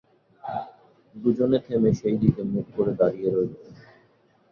দুজনে থেমে সেই দিকে মুখ করে দাঁড়িয়ে রইল।